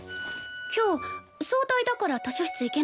今日早退だから図書室行けないんだ。